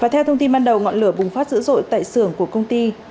theo thông tin ban đầu ngọn lửa bùng phát dữ dội tại xưởng của công ty